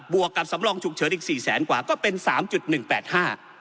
วกกับสำรองฉุกเฉินอีกสี่แสนกว่าก็เป็นสามจุดหนึ่งแปดห้า